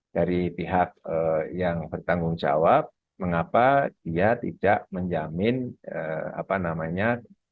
dari pihak yang bertanggung jawab mengapa dia tidak menjamin apa namanya